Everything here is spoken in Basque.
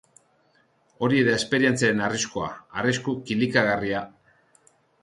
Hori da esperientziaren arriskua, arrisku kilikagarria!